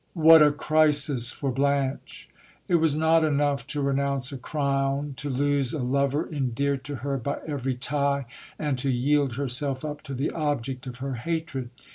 What a crisis for Blanche ! It was not enough to renounce a crown, to lose a lover endeared to her by every tie, and to yield herself up to the object of her hatred.